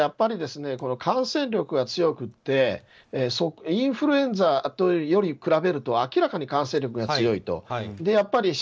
ただ感染力が強くてインフルエンザに比べると明らかに感染力が強い。